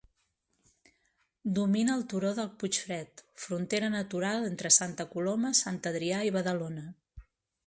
Domina el turó del Puigfred, frontera natural entre Santa Coloma, Sant Adrià i Badalona.